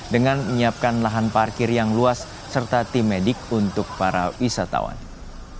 dengan menyiapkan lahan parkir yang luas penambahan jumlah wisatawan yang mencapai tujuh pengunjung